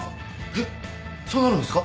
えっそうなるんですか？